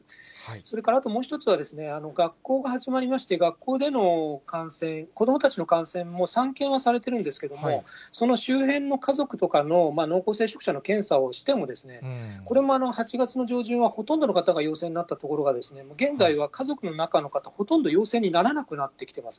それからあともう一つは、学校が始まりまして、学校での感染、子どもたちの感染も散見はされてるんですけれども、その周辺の家族とかの濃厚接触者とかの検査をしても、これも８月の上旬はほとんどの方が陽性になったところが、現在は家族の中の方、ほとんど陽性にならなくなってきてます。